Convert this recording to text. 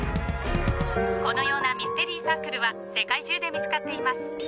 このようなミステリーサークルは世界中で見つかっています。